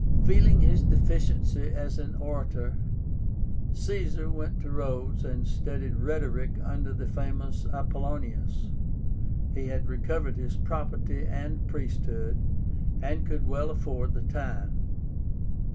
Feeling his deficiency as an orator, Caesar went to Rhodes and studied rhetoric under the famous Apollonius. He had recovered his property and priesthood, and could well afford the time.